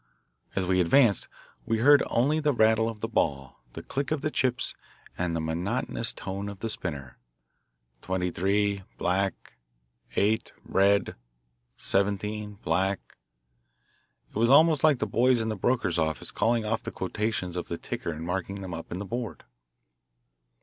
As we advanced, we heard only the rattle of the ball, the click of the chips, and the monotonous tone of the spinner: "Twenty three, black. Eight, red. Seventeen, black." It was almost like the boys in a broker's office calling off the quotations of the ticker and marking them up on the board.